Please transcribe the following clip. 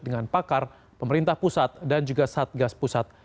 dengan pakar pemerintah pusat dan juga satgas pusat